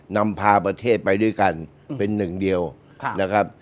นำพาประเทศไปด้วยกันเป็นหนึ่งเดียวนะครับ